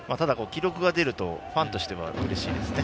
記録が出るとファンとしてはうれしいですね。